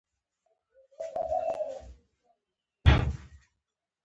د راډیو ږغ د یوازیتوب ملګری وي.